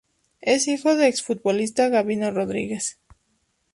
Es hijo de exfutbolista Gabino Rodríguez.